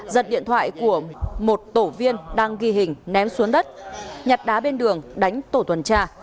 giật điện thoại của một tổ viên đang ghi hình ném xuống đất nhặt đá bên đường đánh tổ tuần tra